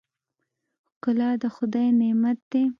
ښکلا د خدای نعمت دی.